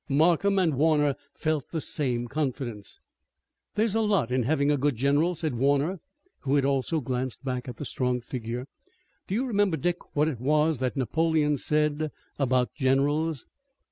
Markham and Warner felt the same confidence. "There's a lot in having a good general," said Warner, who had also glanced back at the strong figure. "Do you remember, Dick, what it was that Napoleon said about generals?"